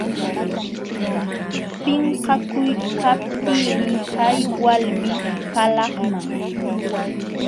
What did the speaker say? Pinqakuykaptiimi hay walmi palaqman.